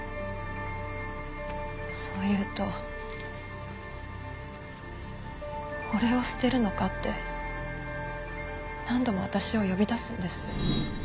そう言うと俺を捨てるのかって何度も私を呼び出すんです。